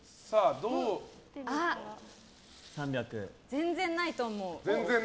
あ全然ないと思う。